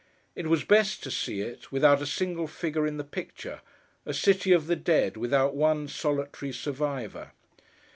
It was best to see it, without a single figure in the picture; a city of the dead, without one solitary survivor.